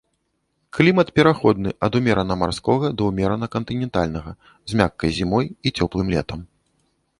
Клімат пераходны ад умерана марскога да ўмерана кантынентальнага, з мяккай зімой і цёплым летам.